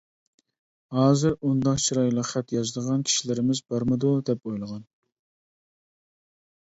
ھازىر ئۇنداق چىرايلىق خەت يازىدىغان كىشىلىرىمىز بارمىدۇ دەپ ئويلىغان.